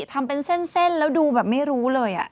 ทำเป็นเส้นแล้วดูแบบไม่รู้เลย